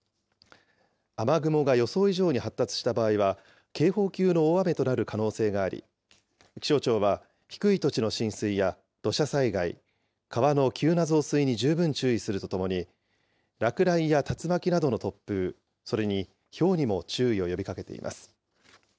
雨雲が予想以上に発達した場合は、警報級の大雨となる可能性があり、気象庁は低い土地の浸水や土砂災害、川の急な増水に十分注意するとともに、落雷や竜巻などの突風、それにひょうにも注意を呼びかけています。